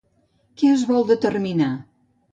Què es vol determinar?